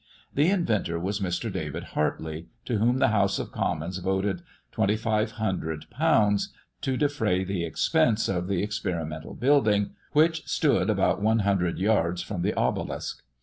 The inventor was Mr. David Hartley, to whom the House of Commons voted 2,500_l._, to defray the expenses of the experimental building, which stood about one hundred yards from the obelisk.